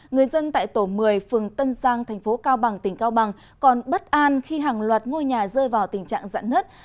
người dân tại tổ một mươi phường tân giang thành phố cao bằng tỉnh cao bằng còn bất an khi hàng loạt ngôi nhà rơi vào tình trạng giận nứt